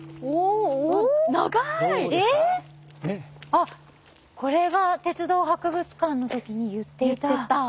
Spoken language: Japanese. あこれが鉄道博物館の時に言っていた。